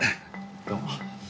どうも。